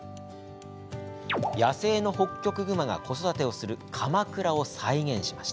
野生のホッキョクグマが子育てをする、かまくらを再現。